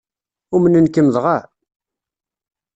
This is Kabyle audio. Umnen-kem dɣa?